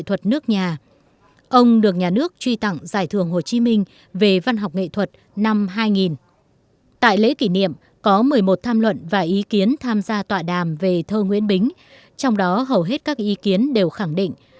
trong cuộc tham luận và ý kiến tham gia tọa đàm về thơ nguyễn bính trong đó hầu hết các ý kiến đều khẳng định